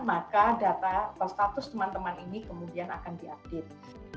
maka data atau status teman teman ini kemudian akan diupdate